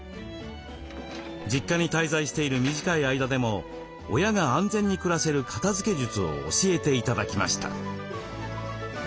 実家に滞在している短い間でも親が安全に暮らせる片づけ術を教えて頂きました。